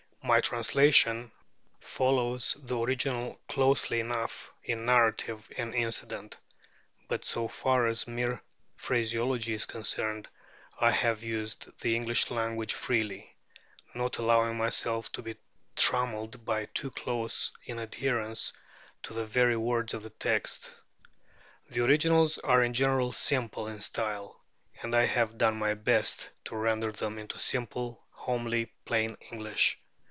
My translation follows the original closely enough in narrative and incident; but so far as mere phraseology is concerned, I have used the English language freely, not allowing myself to be trammeled by too close an adherence to the very words of the text. The originals are in general simple in style; and I have done my best to render them into simple, homely, plain English.